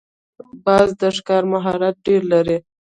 باز د ښکار مهارت ډېر لري